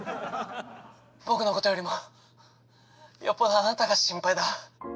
僕のことよりもよっぽどあなたが心配だ。